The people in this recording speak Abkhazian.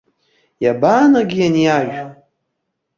Иабаанагеит ани ажә?